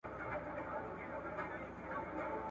مچوي مو جاهلان پښې او لاسونه ,